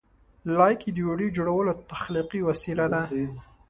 لایکي د ویډیو جوړولو تخلیقي وسیله ده.